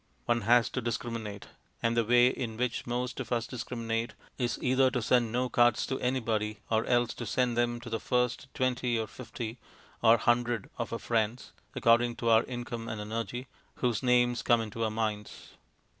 One has to discriminate, and the way in which most of us discriminate is either to send no cards to anybody or else to send them to the first twenty or fifty or hundred of our friends (according to our income and energy) whose names come into our minds.